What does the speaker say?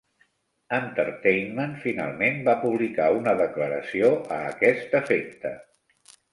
Entertainment finalment va publicar una declaració a aquest efecte.